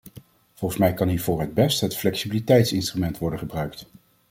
Volgens mij kan hiervoor het best het flexibiliteitsinstrument worden gebruikt.